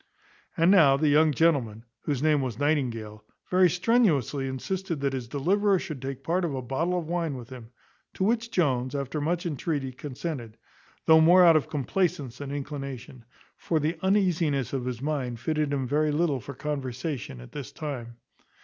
And now the young gentleman, whose name was Nightingale, very strenuously insisted that his deliverer should take part of a bottle of wine with him; to which Jones, after much entreaty, consented, though more out of complacence than inclination; for the uneasiness of his mind fitted him very little for conversation at this time.